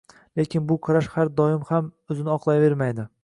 Lekin bu qarash har doim ham o‘zini oqlayvermaydi.